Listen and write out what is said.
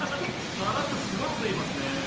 さらっとすごいこといいますねえ。